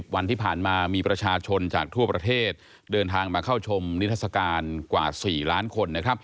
วันที่ผ่านมามีประชาชนจากทั่วประเทศเดินทางมาเข้าชมนิทัศกาลกว่า๔ล้านคน